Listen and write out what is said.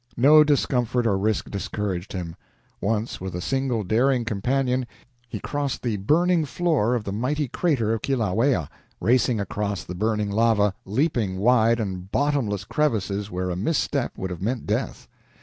No discomfort or risk discouraged him. Once, with a single daring companion, he crossed the burning floor of the mighty crater of Kilauea, racing across the burning lava, leaping wide and bottomless crevices where a misstep would have meant death.